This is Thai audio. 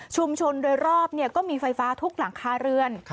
โดยรอบก็มีไฟฟ้าทุกหลังคาเรือน